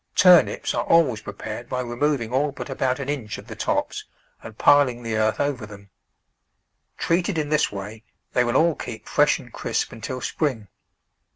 Turnips are always prepared by remov ing all but about an inch of the tops and piling the earth over them. Treated in this way, they will all keep fresh and crisp until spring.